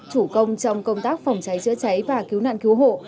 chủ công trong công tác phòng cháy chữa cháy và cứu nạn cứu hộ